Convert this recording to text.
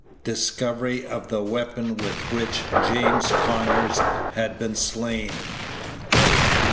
DISCOVERY OF THE WEAPON WITH WHICH JAMES CONYERS HAD BEEN SLAIN.